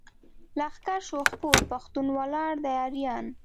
لښکر شو خپور پښتون ولاړ دی اریان.